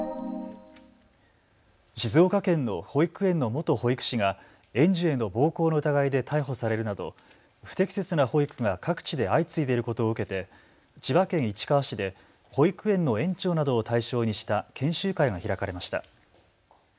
静岡県の保育園の元保育士が園児への暴行の疑いで逮捕されるなど、不適切な保育が各地で相次いでいることを受けて千葉県市川市で保育園の園長などを対象にした研修会が開かれました。